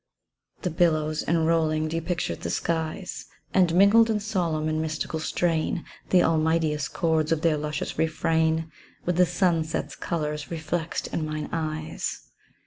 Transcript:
The billows, in rolling depictured the skies, And mingled, in solemn and mystical strain, The all mighteous chords of their luscious refrain With the sun set's colours reflexed in mine eyes.